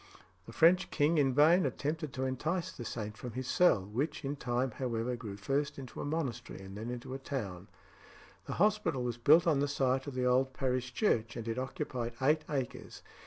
The French king in vain attempted to entice the saint from his cell, which in time, however, grew first into a monastery, and then into a town. This hospital was built on the site of the old parish church, and it occupied eight acres.